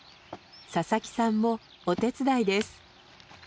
佐々木さんもお手伝いです。